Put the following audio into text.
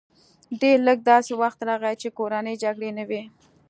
ډېر لږ داسې وخت راغی چې کورنۍ جګړې نه وې